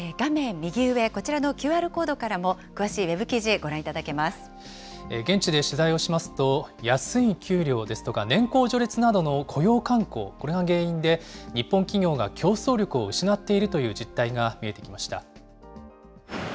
右上、こちらのＱＲコードからも詳しいウェブ記事、ご覧現地で取材をしますと、安い給料ですとか、年功序列などの雇用慣行、これが原因で、日本企業が競争力を失っているという実態が見えてきました。